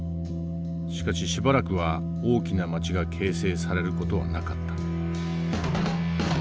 しかししばらくは大きな町が形成される事はなかった。